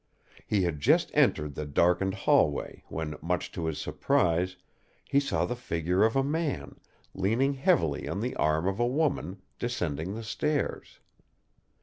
He had just entered the darkened hallway when, much to his surprise, he saw the figure of a man, leaning heavily on the arm of a woman, descending the stairs.